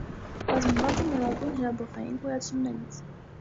Կազմված Է նորագույն հրաբխային գոյացումներից։